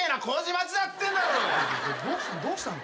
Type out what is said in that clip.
どうしたの？